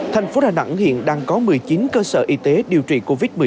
thành phố đà nẵng hiện đang có một mươi chín cơ sở y tế điều trị covid một mươi chín